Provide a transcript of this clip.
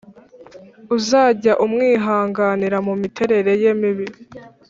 Uzajya umwihanganira mumiterere ye mibi